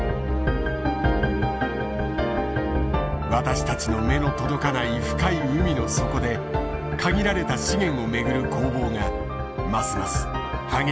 私たちの目の届かない深い海の底で限られた資源をめぐる攻防がますます激しさを増している。